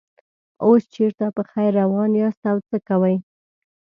اوس چېرته په خیر روان یاست او څه کوئ.